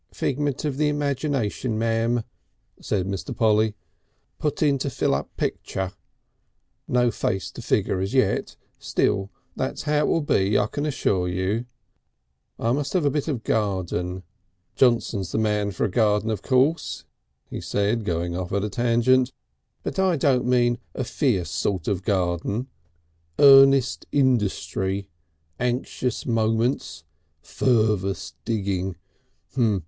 "Figment of the imagination, ma'am," said Mr. Polly. "Put in to fill up picture. No face to figure as yet. Still, that's how it will be, I can assure you. I think I must have a bit of garden. Johnson's the man for a garden of course," he said, going off at a tangent, "but I don't mean a fierce sort of garden. Earnest industry. Anxious moments. Fervous digging.